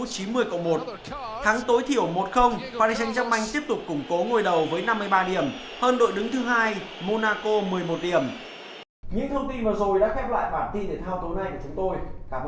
xin chào và hẹn gặp lại